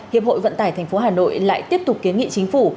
hiệp hội vận tải thành phố hà nội lại tiếp tục kiến nghị chính phủ